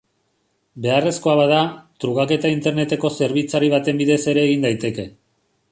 Beharrezkoa bada, trukaketa interneteko zerbitzari baten bidez ere egin daiteke.